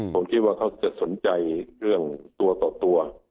ผมคิดว่าเขาจะสนใจเรื่องตัวต่อตัว